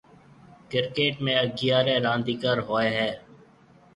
ڪرڪيٽ ۾ اگھيَََاريَ رانديڪر هوئي هيَ۔